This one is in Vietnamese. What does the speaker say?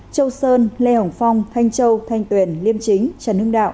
châu sơn lê hồng phong thanh châu thanh tuyền liêm chính trần hưng đạo